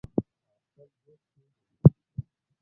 او خپل دوست پیژني.